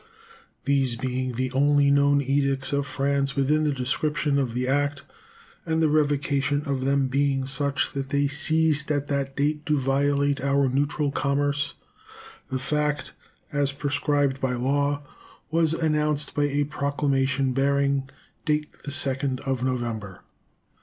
These being the only known edicts of France within the description of the act, and the revocation of them being such that they ceased at that date to violate our neutral commerce, the fact, as prescribed by law, was announced by a proclamation bearing date the 2nd of November.